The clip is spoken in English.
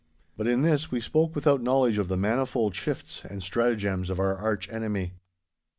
But in this we spoke without knowledge of the manifold shifts and stratagems of our arch enemy.